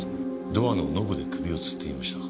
ドアのノブで首を吊っていました。